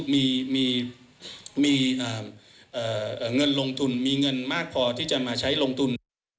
มีเงินลงทุนมีเงินมากพอที่จะมาใช้ลงทุน